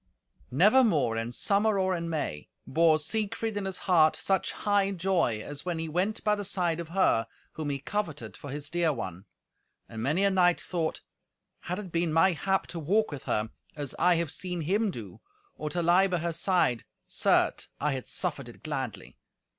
Nevermore, in summer or in May, bore Siegfried in his heart such high joy, as when he went by the side of her whom he coveted for his dear one. And many a knight thought, "Had it been my hap to walk with her, as I have seen him do, or to lie by her side, certes, I had suffered it gladly!